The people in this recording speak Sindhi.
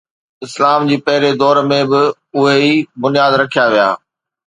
اسلام جي پهرين دور ۾ به اهي ئي بنياد رکيا ويا.